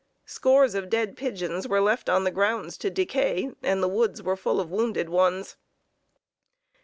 Scores of dead pigeons were left on the grounds to decay, and the woods were full of wounded ones.